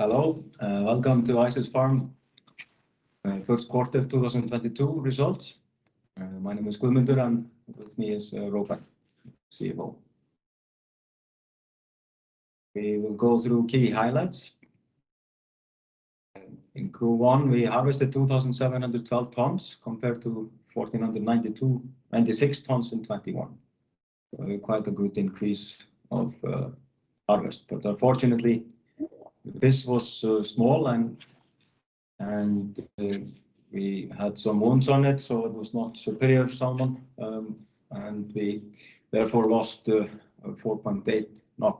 Hello. Welcome to Ice Fish Farm first quarter 2022 results. My name is Guðmundur, and with me is Róbert, CFO. We will go through key highlights. In Q1, we harvested 2,712 tons compared to 1,496 tons in 2021. Quite a good increase of harvest. Unfortunately, this was small and we had some wounds on it, so it was not superior salmon. We therefore lost 4.8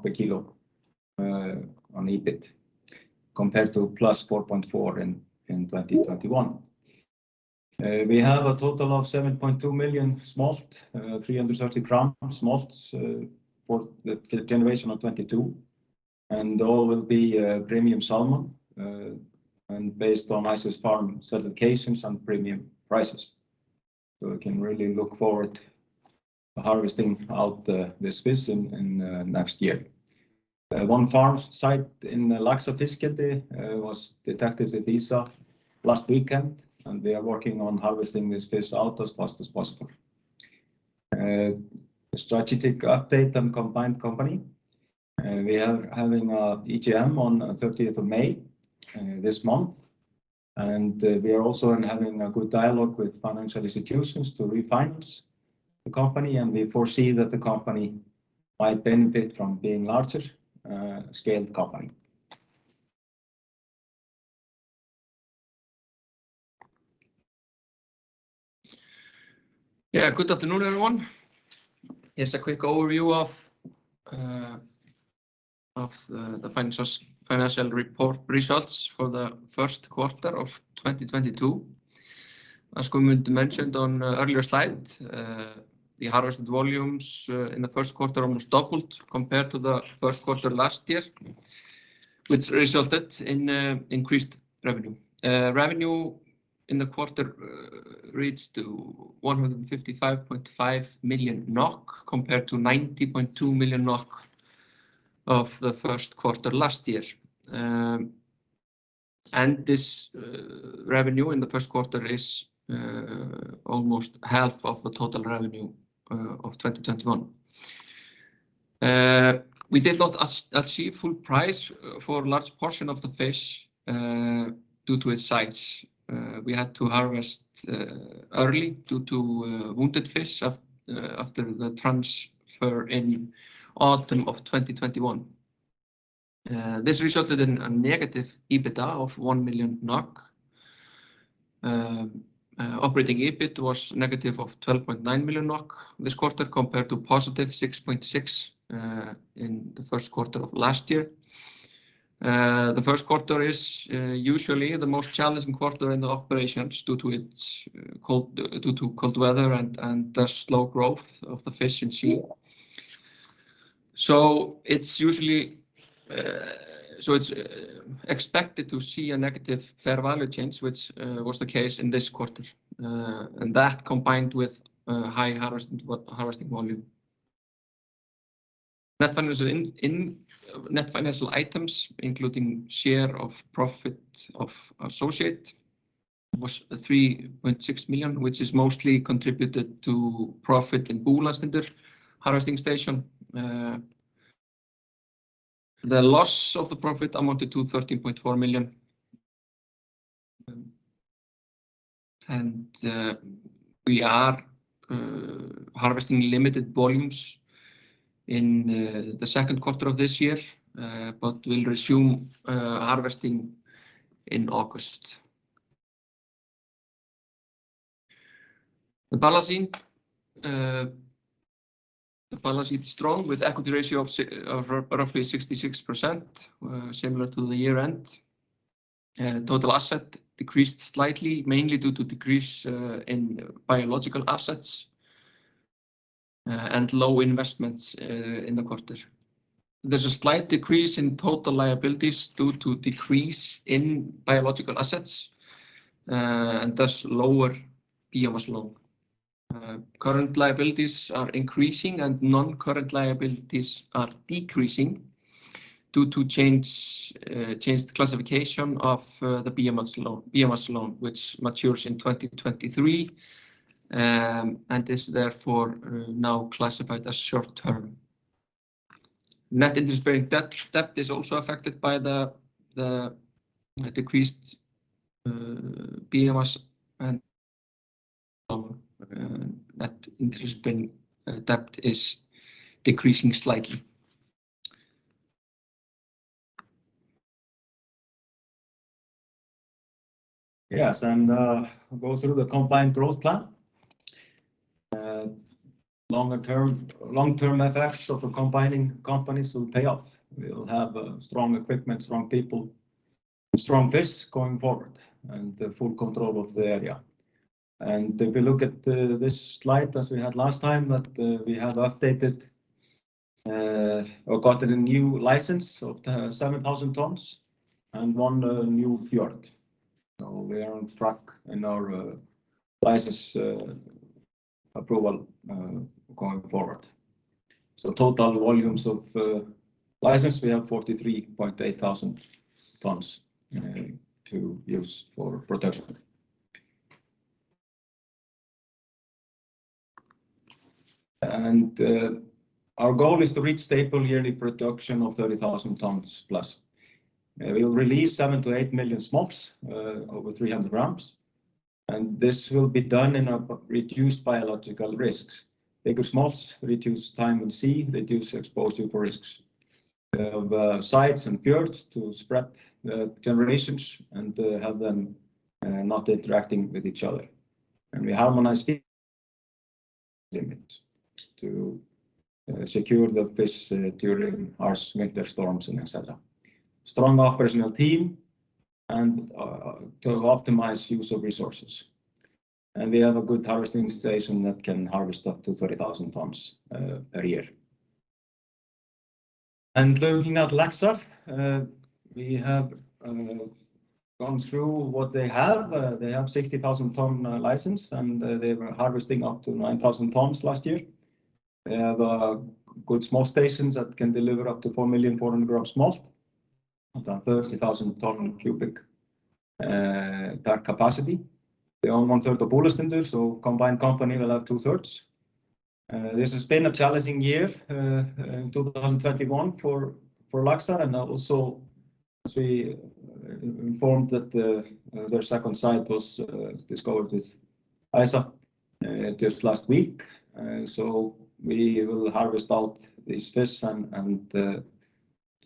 per kilo on EBIT compared to +4.4 in 2021. We have a total of 7.2 million smolt, 330 gram smolts, for the generation of 2022, and all will be premium salmon and based on Ice Fish Farm certifications and premium prices. We can really look forward to harvesting out this fish in next year. One farm site in Laxar Fiskeldi was detected with ISA last weekend, and we are working on harvesting this fish out as fast as possible. Strategic update on combined company. We are having an EGM on 30th of May this month, and we are also having a good dialogue with financial institutions to refinance the company, and we foresee that the company might benefit from being larger scaled company. Yeah. Good afternoon, everyone. Just a quick overview of the financial report results for the first quarter of 2022. As Guðmundur mentioned on an earlier slide, the harvested volumes in the first quarter almost doubled compared to the first quarter last year, which resulted in increased revenue. Revenue in the quarter reached to 155.5 million NOK compared to 90.2 million NOK of the first quarter last year. This revenue in the first quarter is almost half of the total revenue of 2021. We did not achieve full price for a large portion of the fish due to its size. We had to harvest early due to wounded fish after the transfer in autumn of 2021. This resulted in a negative EBITDA of 1 million NOK. Operating EBIT was negative of 12.9 million NOK this quarter compared to -6.6 million in the first quarter of last year. The first quarter is usually the most challenging quarter in the operations due to its cold weather and thus slow growth of the fish in sea. It's expected to see a negative fair value change, which was the case in this quarter. That combined with high harvesting volume. Net financial items, including share of profit of associate, was 3.6 million, which is mostly contributed to profit in Búlandstindur harvesting station. The loss of the profit amounted to 13.4 million. We are harvesting limited volumes in the second quarter of this year, but we'll resume harvesting in August. The balance sheet is strong with equity ratio of roughly 66%, similar to the year-end. Total assets decreased slightly, mainly due to decrease in biological assets and low investments in the quarter. There's a slight decrease in total liabilities due to decrease in biological assets and thus lower biomass loan. Current liabilities are increasing, and non-current liabilities are decreasing due to changed classification of the biomass loan, which matures in 2023 and is therefore now classified as short-term. Net interest-bearing debt is also affected by the decreased biomass and net interest-bearing debt is decreasing slightly. Yes. We'll go through the combined growth plan. Long-term effects of combining companies will pay off. We'll have strong equipment, strong people, strong fish going forward, and full control of the area. If you look at this slide as we had last time, that we have updated or gotten a new license of 7,000 tons and one new fjord. We are on track in our license approval going forward. Total volumes of license, we have 43,800 tons to use for production. Our goal is to reach stable yearly production of 30,000 tons+. We'll release 7 million-8 million smolts over 300 grams. This will be done in a reduced biological risks. Bigger smolts reduce time at sea, reduce exposure for risks. We have sites and fjords to spread generations and have them not interacting with each other. We harmonize limits to secure the fish during harsh winter storms and et cetera. Strong operational team and to optimize use of resources. We have a good harvesting station that can harvest up to 30,000 tons a year. Looking at Laxar, we have gone through what they have. They have 60,000-ton license, and they were harvesting up to 9,000 tons last year. They have a good smolt stations that can deliver up to 4 million 400-gram smolt, and 30,000-ton cubic tank capacity. They own 1/3 of Búlandstindur, so combined company will have two thirds. This has been a challenging year in 2021 for Laxar. Also as we informed that their second site was discovered with ISA just last week. We will harvest out these fish and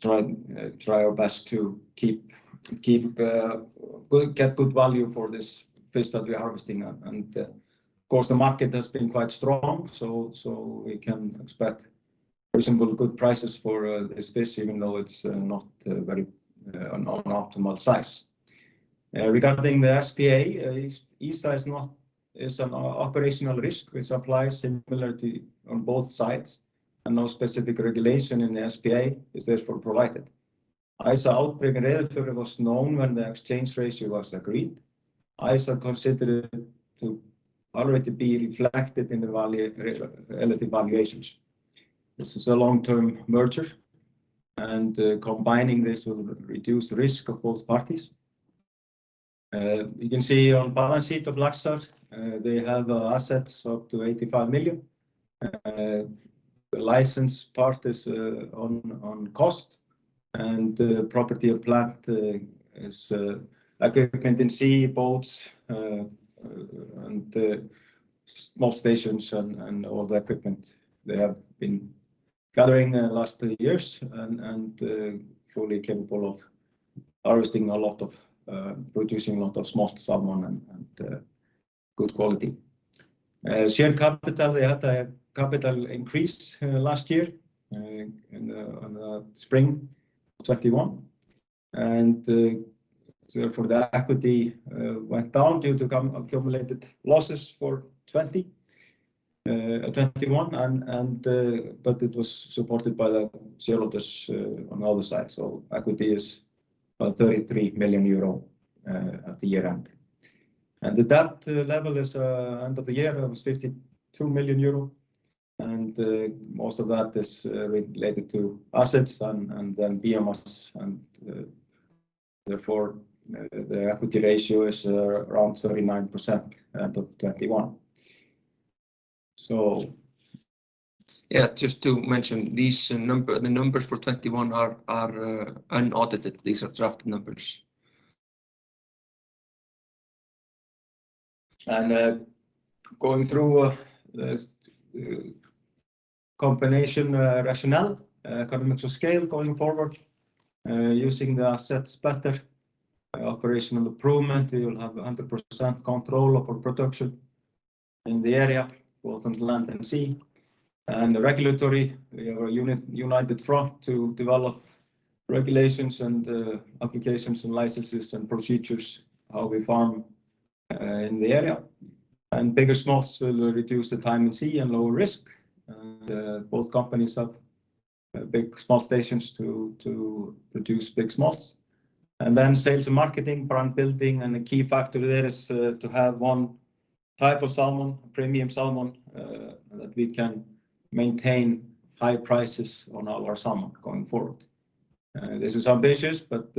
try our best to get good value for this fish that we're harvesting. Of course, the market has been quite strong, so we can expect reasonably good prices for this fish, even though it's not an optimal size. Regarding the SPA, ISA is an operational risk which applies similarly on both sites, and no specific regulation in the SPA is therefore provided. ISA outbreak in Reyðarfjörður was known when the exchange ratio was agreed. ISA considered to already be reflected in the value relative valuations. This is a long-term merger, combining this will reduce risk of both parties. You can see on balance sheet of Laxar, they have assets up to 85 million. License part is on cost and property and plant is equipment in sea, boats, and the smolt stations and all the equipment they have been gathering the last years and fully capable of producing a lot of smolt salmon and good quality. Share capital, they had a capital increase last year in spring 2021. Therefore the equity went down due to accumulated losses for 2020, 2021. But it was supported by the shareholders on the other side. Equity is about 33 million euro at the year-end. The debt level is end of the year was 52 million euro, and most of that is related to assets and then biomass. Therefore the equity ratio is around 39% end of 2021. Yeah, just to mention these numbers for 2021 are unaudited. These are draft numbers. Going through this combination rationale. Economical scale going forward, using the assets better. Operational improvement, we will have 100% control over production in the area, both on land and sea. Regulatory, we have a united front to develop regulations and applications and licenses and procedures, how we farm in the area. Bigger smolts will reduce the time at sea and lower risk. Both companies have big smolt stations to produce big smolts. Then sales and marketing, brand building, and a key factor there is to have one type of salmon, premium salmon, that we can maintain high prices on our salmon going forward. This is ambitious, but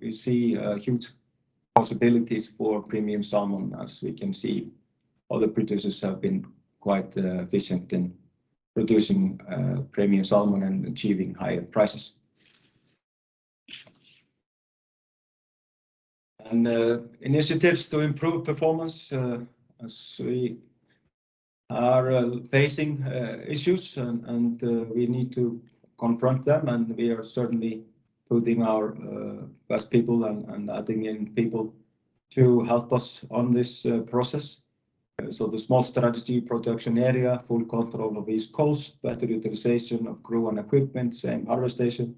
we see huge possibilities for premium salmon. As we can see, other producers have been quite efficient in producing premium salmon and achieving higher prices. Initiatives to improve performance as we are facing issues and we need to confront them. We are certainly putting our best people and adding in people to help us on this process. The smolt strategy, production area, full control of East Coast, better utilization of crew and equipment, same harvest station,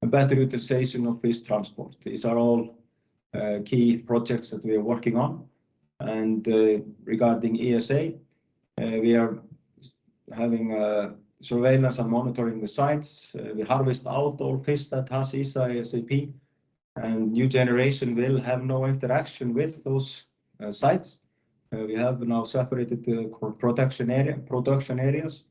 and better utilization of fish transport. These are all key projects that we are working on. Regarding ISA, we are having surveillance and monitoring the sites. We harvest out all fish that has ISA ASAP, and new generation will have no interaction with those sites. We have now separated the pre-production area, production areas,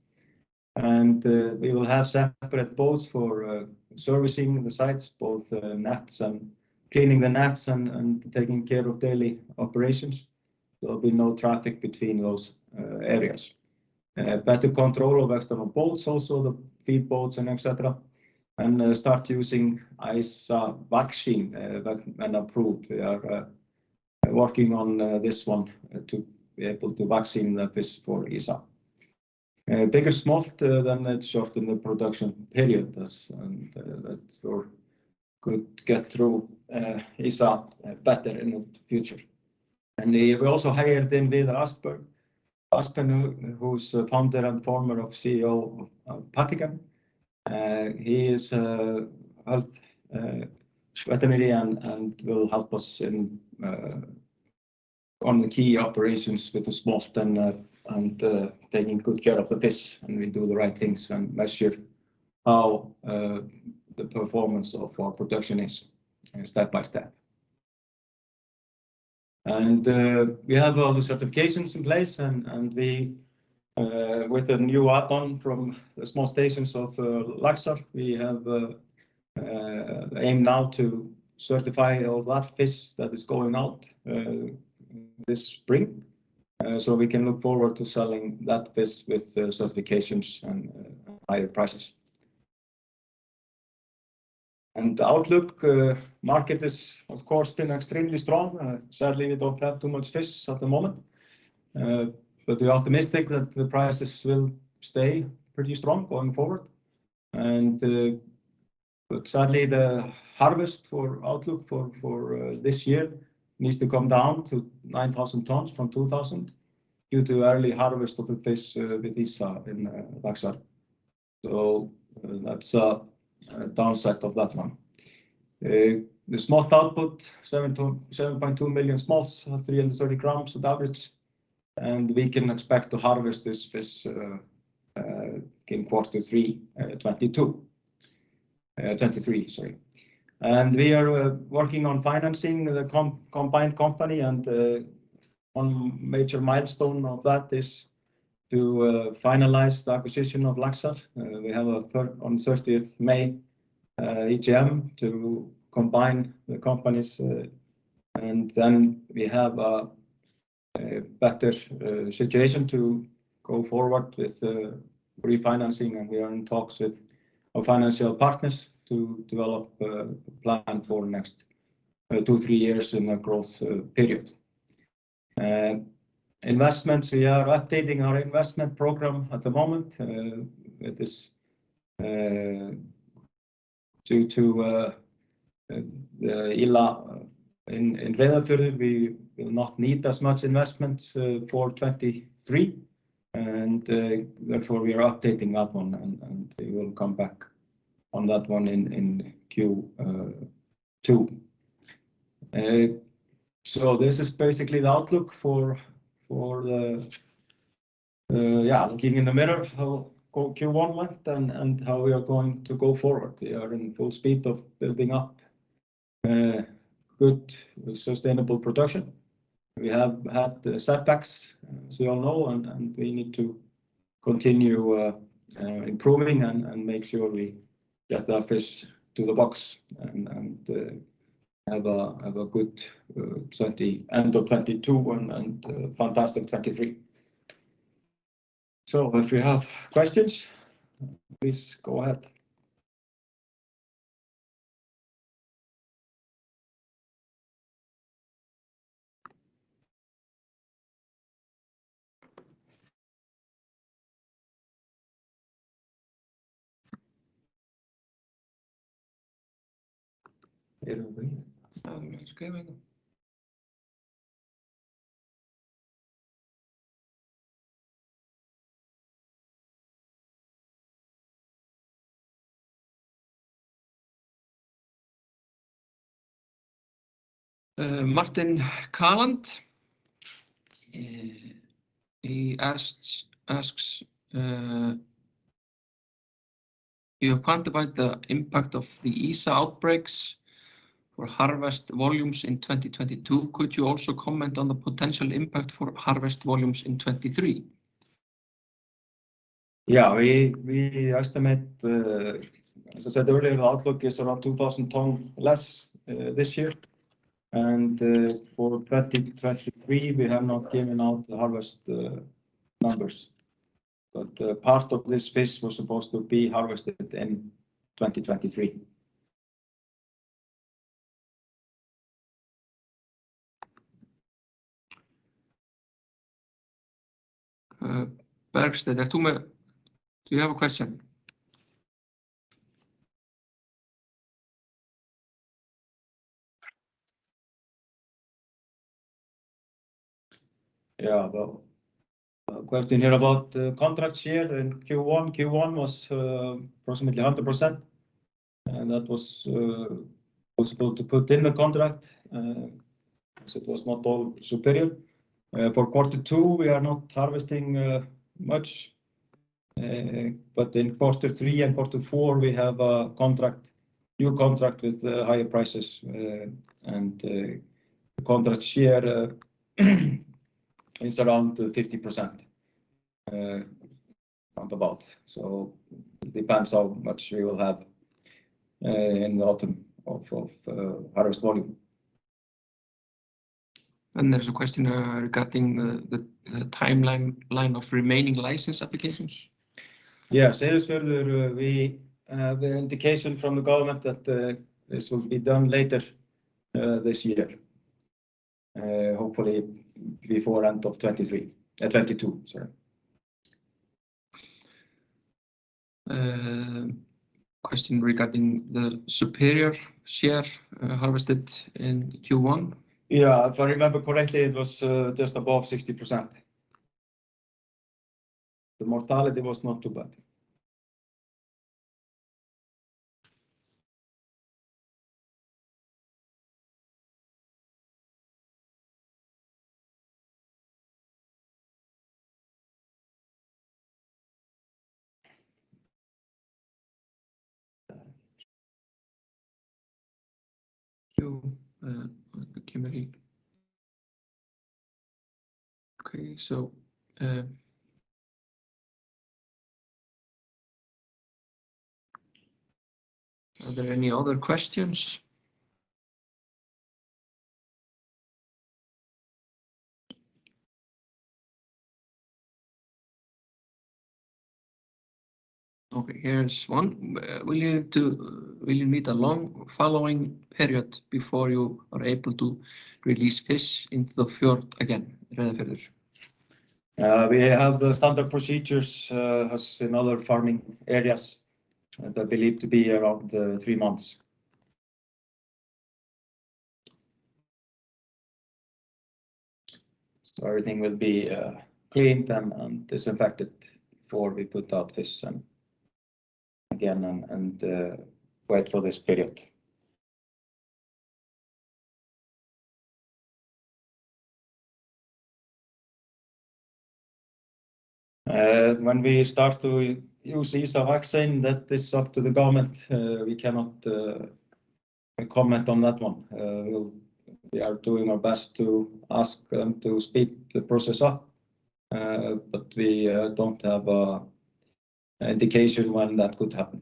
and we will have separate boats for servicing the sites, both nets and cleaning the nets and taking care of daily operations. There'll be no traffic between those areas. Better control of external boats, also the feed boats and et cetera. Start using ISA vaccine when approved. We are working on this one to be able to vaccinate the fish for ISA. Bigger smolt that shorten the production period and that we could get through ISA better in the future. We also hired Vidar Aspehaug, who's Founder and former CEO of PatoGen. He has helped [Svend-Erik] and will help us on the key operations with the smolt and taking good care of the fish, and we do the right things and measure how the performance of our production is step by step. We have all the certifications in place, and with the new add-on from the smolt stations of Laxar, we aim now to certify all that fish that is going out this spring. We can look forward to selling that fish with certifications and higher prices. The outlook for the market is, of course, been extremely strong. Sadly, we don't have too much fish at the moment. We are optimistic that the prices will stay pretty strong going forward. Sadly the harvest outlook for this year needs to come down to 9,000 tons from 12,000 due to early harvest of the fish with ISA in Laxar. That's a downside of that one. The smolt output, 7 million-7.2 million smolts, 330 grams on average, and we can expect to harvest this fish in quarter three, 2023, sorry. We are working on financing the combined company and one major milestone of that is to finalize the acquisition of Laxar. We have on 30th May AGM to combine the companies, and then we have a better situation to go forward with refinancing, and we are in talks with our financial partners to develop a plan for next 2-3 years in a growth period. We are updating our investment program at the moment. It is due to the ISA in Reyðarfjörður, we will not need as much investments for 2023. Therefore we are updating that one, and we will come back on that one in Q2. This is basically the outlook for the looking in the mirror how Q1 went and how we are going to go forward. We are in full speed of building up a good sustainable production. We have had setbacks, as you all know, and we need to continue improving and make sure we get our fish to the box and have a good end of 2022 and fantastic 2023. If you have questions, please go ahead. Is there nobody? No, it's okay. Martin Kaland], he asks, you have quantified the impact of the ISA outbreaks for harvest volumes in 2022. Could you also comment on the potential impact for harvest volumes in 2023? Yeah. We estimate, as I said earlier, the outlook is around 2,000 tons less this year. For 2023, we have not given out the harvest numbers. Part of this fish was supposed to be harvested in 2023. [Gislason], do you have a question? Well, question here about contract share in Q1. Q1 was approximately 100%. That was able to put in the contract, as it was not all superior. For quarter two we are not harvesting much. But in quarter three and quarter four we have a contract, new contract with higher prices. The contract share is around 50%. Round about. Depends how much we will have in the autumn of harvest volume. There's a question regarding the timeline of remaining license applications. Yeah. Seyðisfjörður, we have an indication from the government that this will be done later this year. Hopefully before end of 2022. Question regarding the superior salmon harvested in Q1. Yeah, if I remember correctly, it was just above 60%. The mortality was not too bad. Thank you, Guðmundur. Okay. Are there any other questions? Okay, here's one. Will you need a long following period before you are able to release fish into the fjord again, Reyðarfjörður? We have the standard procedures as in other farming areas that are believed to be around three months. Everything will be cleaned and disinfected before we put out fish again and wait for this period. When we start to use ISA vaccine, that is up to the government. We cannot comment on that one. We are doing our best to ask them to speed the process up, but we don't have an indication when that could happen.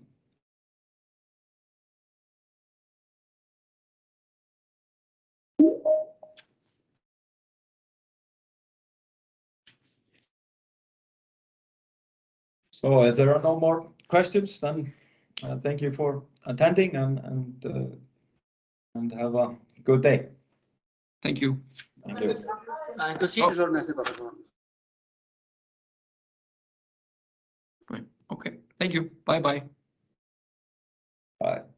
If there are no more questions, thank you for attending and have a good day. Thank you. Thank you. Right. Okay. Thank you. Bye-bye. Bye.